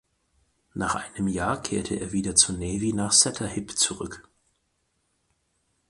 Nach einem Jahr kehrte er wieder zur Navy nach Sattahip zurück.